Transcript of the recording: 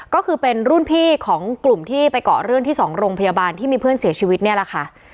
ก็คือเป็นรุ่นพี่ของกลุ่มที่ไปเกาะเรื่องที่๒โรงพยาบาลที่มีเพื่อนเสียชีวิตเนี่ยแหละค่ะ